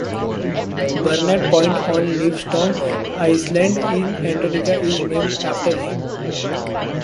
Barnard Point on Livingston Island in Antarctica is named after him.